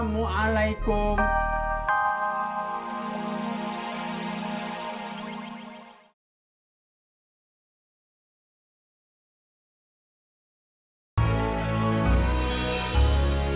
masih belum hormat